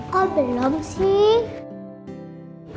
kok belum sih